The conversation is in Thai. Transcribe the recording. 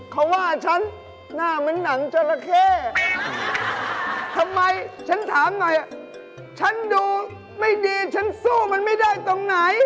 เขาว่าฉันหน้าเหมือนหนังจราเข้ทำไมฉันถามหน่อยฉันดูไม่ดีฉันสู้มันไม่ได้ตรงไหน